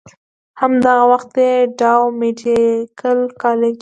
هم دغه وخت ئې ډاؤ ميډيکل کالج